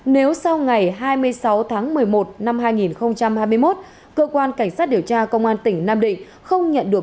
nếu sau ngày hai mươi sáu tháng một mươi một năm hai nghìn hai mươi một cơ quan cảnh sát điều tra công an tỉnh nam định không nhận được